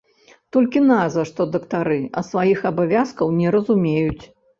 Толькі назва, што дактары, а сваіх абавязкаў не разумеюць.